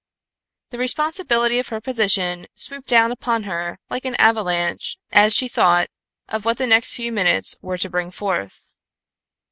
The responsibility of her position swooped down upon her like an avalanche as she thought of what the next few minutes were to bring forth.